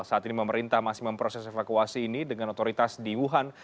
saat ini pemerintah masih memproses evakuasi ini dengan otoritas di wuhan